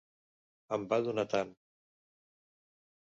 Em va donar tant.